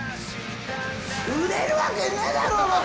売れるわけねーだろ！